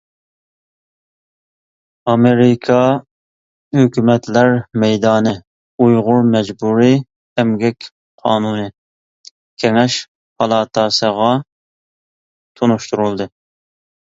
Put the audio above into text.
ئامېرىكا ھۆكۈمەتلەر مەيدانى «ئۇيغۇر مەجبۇرىي ئەمگەك قانۇنى» كېڭەش پالاتاسىغا تونۇشتۇرۇلدى.